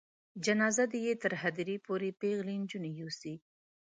جنازه دې یې تر هدیرې پورې پیغلې نجونې یوسي.